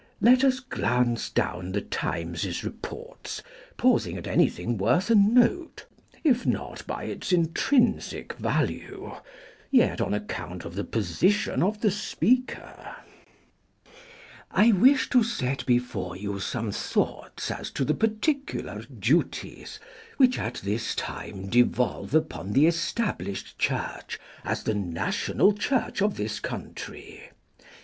Let us glance down the Times' reports, pausing at anything worth a note if not by its intrinsic value yet on account of the position of the speaker:— "I wish to set before you some thoughts as to the particular duties, which at this time devolve upon the Established Church as the National Church of this country.